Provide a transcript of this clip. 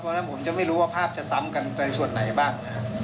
เพราะฉะนั้นผมจะไม่รู้ว่าภาพจะซ้ำกันไปส่วนไหนบ้าง